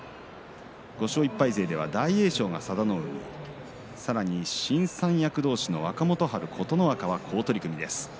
５勝１敗勢では大栄翔、佐田の海さらに新三役同士の若元春と琴ノ若が好取組です。